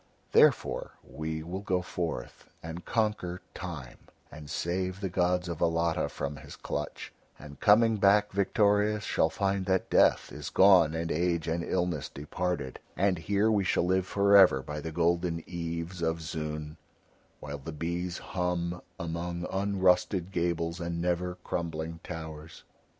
Therefore we will go forth and conquer Time and save the gods of Alatta from his clutch, and coming back victorious shall find that Death is gone and age and illness departed, and here we shall live for ever by the golden eaves of Zoon, while the bees hum among unrusted gables and never crumbling towers.